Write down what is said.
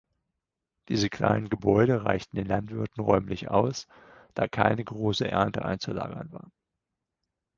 Diese kleinen Gebäude reichten den Landwirten räumlich aus, da keine große Ernte einzulagern war.